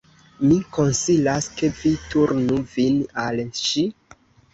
Mi konsilas ke vi turnu vin al ŝi."